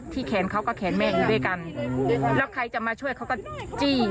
แขนเขาก็แขนแม่อยู่ด้วยกันแล้วใครจะมาช่วยเขาก็จี้